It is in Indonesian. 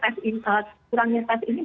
tes kurangnya tes ini